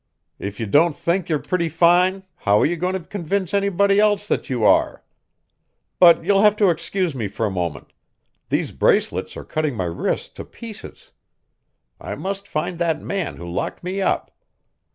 If you don't think you're pretty fine how are you going to convince anybody else that you are? But you'll have to excuse me for a moment these bracelets are cutting my wrists to pieces. I must find that man who locked me up.